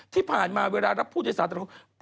ที่ผ่านมาเวลารับผู้โดยสารต่างกว่า